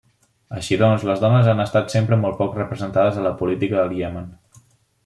Així, doncs, les dones han estat sempre molt poc representades a la política del Iemen.